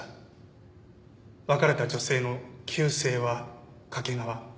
別れた女性の旧姓は「掛川」。